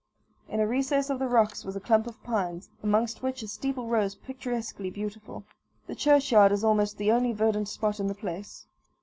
In a recess of the rocks was a clump of pines, amongst which a steeple rose picturesquely beautiful. The churchyard is almost the only verdant spot in the place.